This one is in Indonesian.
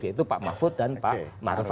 yaitu pak mahfud dan pak maruf